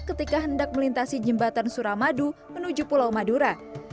ketika hendak melintasi jembatan suramadu menuju pulau madura